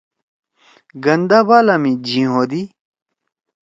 گندا بالا می جھیِں ہودی۔